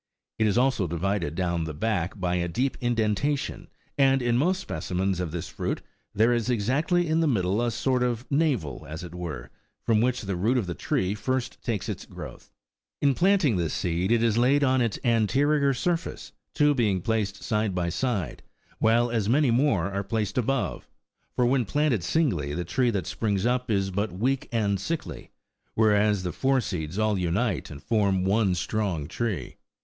It is also divided down the back by a deep indentation, and in most specimens of this fruit there is exactly in the middle a sort of navel, as it were, from which the root of the tree first takes its growth.16 In planting this seed it is laid on its anterior surface, two being placed side by side, while as many more are placed above ; for when planted singly, the tree that springs up is but weak and sickly, whereas the four seeds all unite and form one strong tree.